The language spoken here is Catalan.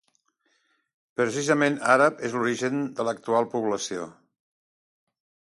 Precisament àrab és l'origen de l'actual població.